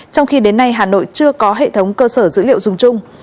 trong khi đến nay hà nội chưa có hệ thống cơ sở dữ liệu dùng chung